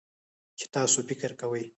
چې تاسو فکر کوئ